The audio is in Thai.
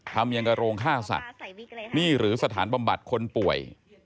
ทำอย่างกับโรงฆ่าสัตว์นี่หรือสถานบำบัดคนป่วย